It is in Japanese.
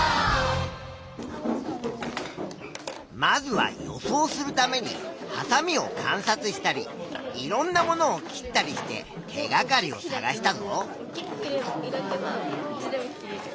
まずは予想するためにはさみを観察したりいろんなものを切ったりして手がかりを探したぞ。